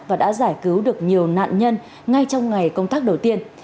và đã giải cứu được nhiều nạn nhân ngay trong ngày công tác đầu tiên